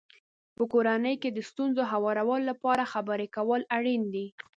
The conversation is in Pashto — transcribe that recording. په کورنۍ کې د ستونزو هوارولو لپاره خبرې کول اړین دي.